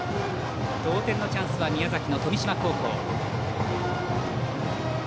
同点のチャンスは宮崎の富島高校。